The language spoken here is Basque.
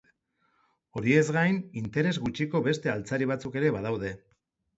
Horiez gain, interes gutxiagoko beste altzari batzuk ere badaude.